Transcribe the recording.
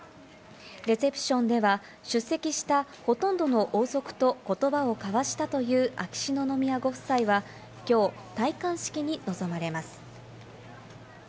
レセプションでは、出席したほとんどの王族と言葉を交わしたという秋篠宮ご夫妻は、今日、戴冠式に望まれます。